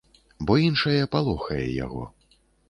Бо іншае палохае яго.